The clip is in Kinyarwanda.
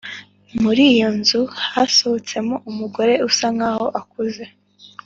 muriyo nzu hasohotsemo umugore usa nkaho akuze